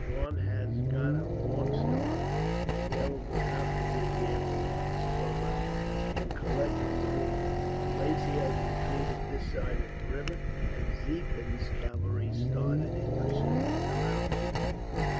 Daun has got a long start, and there will be enough to do here, for the next twelve hours, in collecting the wounded. Lacy has retreated this side of the river, and Ziethen's cavalry started in pursuit, some hours ago."